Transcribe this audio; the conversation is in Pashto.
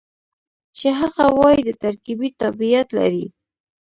چې هغه وايي د ترکیې تابعیت لري.